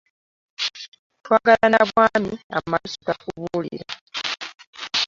Twagalana bwami amalusu takubulira .